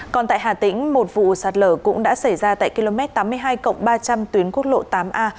còn tại hà tĩnh một vụ sạt lở cũng đã xảy ra tại km tám mươi hai ba trăm linh tuyến quốc lộ tám a